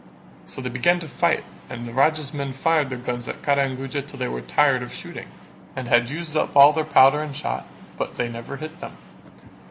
So they began to fight and the Raja's men fired their guns at Kara and Guja till they were tired of shooting, and had used up all their powder and shot, but they never hit them.